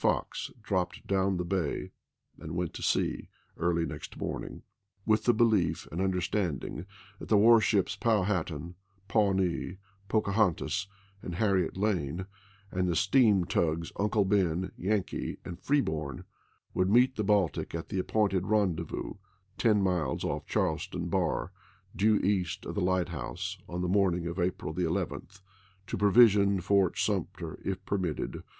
Fox, dropped down the bay and went to sea early next morning, with the belief and understanding that the war ships Powhatan, Pawnee, PocaJwntas, and Harriet Lane, and the steam tugs Uncle Ben, Yankee, and Freeborn would meet the Baltic at the appointed rendezvous ten miles off Charleston bar ^ due east of the light house on the morning of April 11, to provision Fort Sumter if permitted, isei.